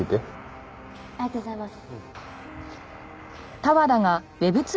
ありがとうございます。